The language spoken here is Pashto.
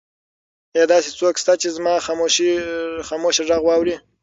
ایا داسې څوک شته چې زما خاموشه غږ واوري؟